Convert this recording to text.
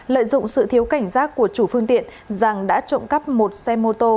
lợi dụng sự thiếu cảnh giác của chủ phương tiện giàng đã trộm cắp một xe mô tô